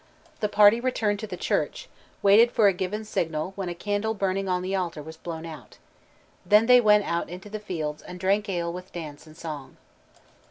The party returned to the church, waited for a given signal when a candle burning on the altar was blown out. Then they went out into the fields, and drank ale with dance and song.